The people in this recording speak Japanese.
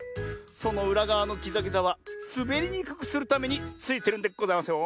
そのうらがわのぎざぎざはすべりにくくするためについてるんでございますよ。